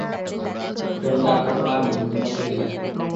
প্রেম যা আপনাকে মারবে কিন্তু মরতে দিবে না।